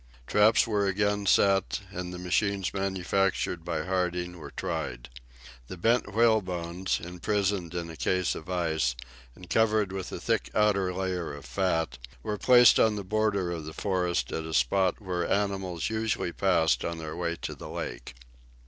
Traps were again set, and the machines manufactured by Harding were tried. The bent whalebones, imprisoned in a case of ice, and covered with a thick outer layer of fat, were placed on the border of the forest at a spot where animals usually passed on their way to the lake.